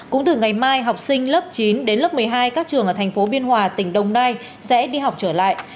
cũng từ ngày mai học sinh lớp chín đến lớp một mươi hai các trường ở tp biên hòa tỉnh đông nai sẽ đi học trở lại